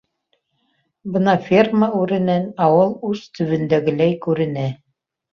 Бынан, ферма үренән, ауыл ус төбөндәгеләй күренә.